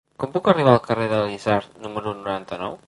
Com puc arribar al carrer de l'Isard número noranta-nou?